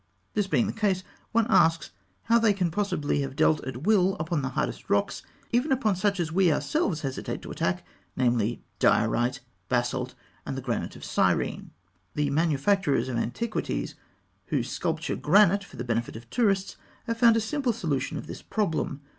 This being the case, one asks how they can possibly have dealt at will upon the hardest rocks, even upon such as we ourselves hesitate to attack, namely, diorite, basalt, and the granite of Syene. The manufacturers of antiquities who sculpture granite for the benefit of tourists, have found a simple solution of this problem.